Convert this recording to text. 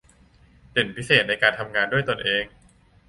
เด่นพิเศษในการทำงานด้วยตนเอง